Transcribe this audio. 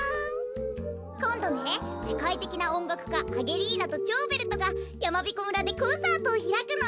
こんどねせかいてきなおんがくかアゲリーナとチョーベルトがやまびこ村でコンサートをひらくの！